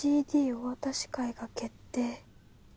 お渡し会が決定！